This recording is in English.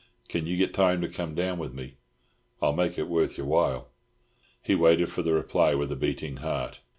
Can you get time to come down with me? I'll make it worth your while." He waited for the reply with a beating heart.